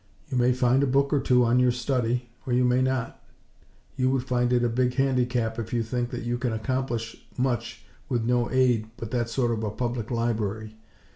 You may find a book or two on your study, or you may not. You would find it a big handicap if you think that you can accomplish much with no aid but that of a Public Library.